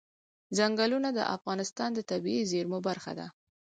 ځنګلونه د افغانستان د طبیعي زیرمو برخه ده.